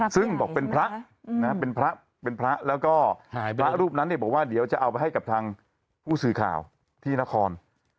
ซึ่งบอกเป็นพระเป็นพระแล้วก็พระรูปนั้นบอกว่าเดี๋ยวจะเอาไปให้กับทางผู้สื่อข่าวที่นคร